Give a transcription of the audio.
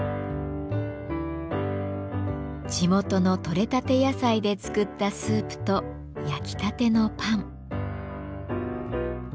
地元の取れたて野菜で作ったスープと焼きたてのパン。